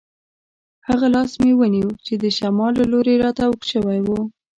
هغه لاس مې ونیو چې د شمال له لوري راته اوږد شوی وو.